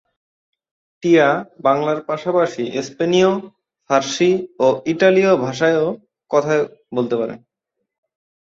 টিয়া বাংলার পাশাপাশি স্পেনীয়, ফরাসী ও ইটালীয় ভাষায়ও কথা বলতে পারেন।